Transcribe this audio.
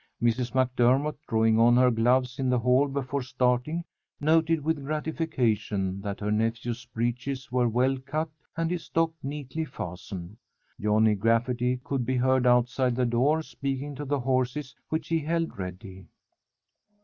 Mrs. MacDermott, drawing on her gloves in the hall before starting, noted with gratification that her nephew's breeches were well cut and his stock neatly fastened. Johnny Gafferty could be heard outside the door speaking to the horses which he held ready.